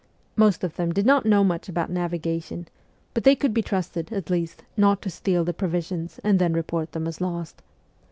Most of them did not know much about navigation, but they could be trusted, at least, not to steal the provisions and then report them as lost.